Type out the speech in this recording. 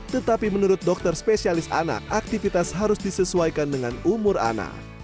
tetapi menurut dokter spesialis anak aktivitas harus disesuaikan dengan umur anak